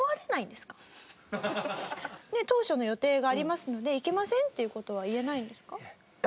「当初の予定がありますので行けません」っていう事は言えないんですか？